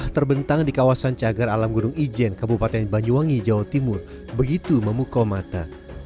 terbentang di kawasan cagar alam gunung ijen kabupaten banyuwangi jawa timur begitu memukau mata